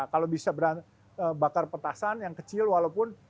kalau bisa berbakar petasan yang kecil walaupun